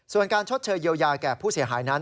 ส่วนการชดเชยเยียวยาแก่ผู้เสียหายนั้น